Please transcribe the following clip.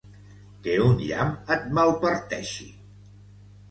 Que un llamp et malparteixi!